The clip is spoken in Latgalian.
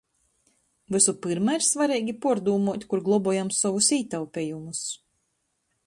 Vysu pyrma ir svareigi puordūmuot, kur globojam sovus ītaupejumus.